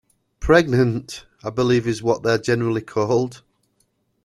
Pregnant, I believe, is what they're generally called.